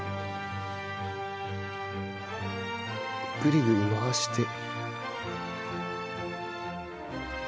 グリグリ回して。